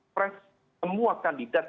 pres semua kandidat